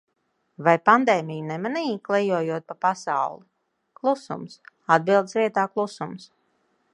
Vai pandēmiju nemanīji, klejojot pa pasauli? Klusums, atbildes vietā klusums.